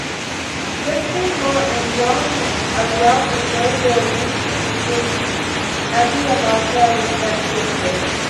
Josephine Hull and Jean Adair portray the Brewster sisters, Abby and Martha, respectively.